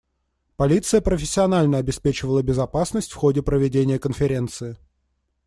Полиция профессионально обеспечивала безопасность в ходе проведения конференции.